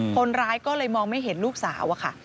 คนร้ายก็เลยมองไม่เห็นลูกสาวอะค่ะ